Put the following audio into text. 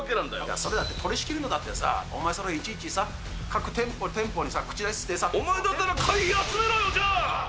それだって、取りしきるのだってさ、お前それ、いちいちさ、各店舗店舗にさ、お前だったら会費集めろよ、じゃあ。